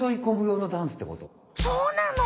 そうなの？